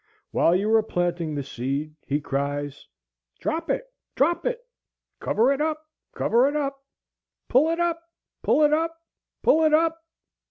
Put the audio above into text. While you are planting the seed, he cries,—"Drop it, drop it,—cover it up, cover it up,—pull it up, pull it up, pull it up."